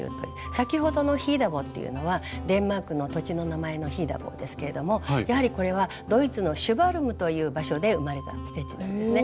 先ほどのヒーダボーっていうのはデンマークの土地の名前のヒーダボーですけれどもやはりこれはドイツのシュヴァルムという場所で生まれたステッチなんですね。